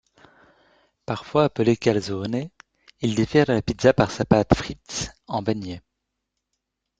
Parfois appelés calzone, ils diffèrent de la pizza par sa pâte frite en beignets.